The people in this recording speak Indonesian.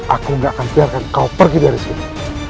aku nggak akan biarkan kau pergi dari sini